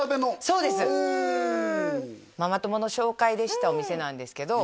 そうですママ友の紹介で知ったお店なんですけど